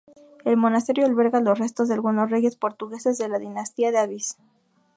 El monasterio alberga los restos de algunos reyes portugueses de la Dinastía de Avís.